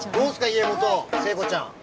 家元、聖子ちゃんは。